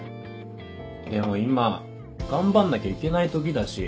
でも今頑張んなきゃいけない時だし。